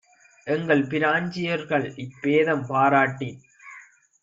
எங்கள் பிராஞ்சியர்கள் இப்பேதம் பாராட்டித்